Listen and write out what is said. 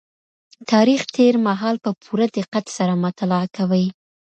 تاريخ تېر مهال په پوره دقت سره مطالعه کوي.